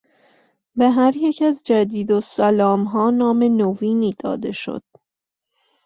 به هریک از جدیدالسلامها نام نوینی داده شد.